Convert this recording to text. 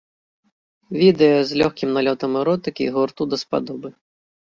Відэа з лёгкім налётам эротыкі гурту даспадобы.